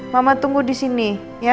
mama tunggu di sini